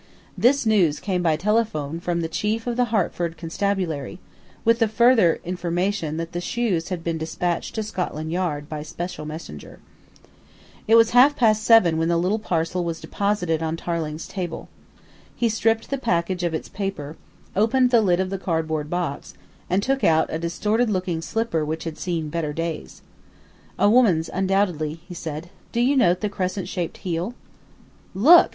This news came by telephone from the Chief of the Hertford Constabulary, with the further information that the shoes had been despatched to Scotland Yard by special messenger. It was half past seven when the little parcel was deposited on Tarling's table. He stripped the package of its paper, opened the lid of the cardboard box, and took out a distorted looking slipper which had seen better days. "A woman's, undoubtedly," he said. "Do you note the crescent shaped heel." "Look!"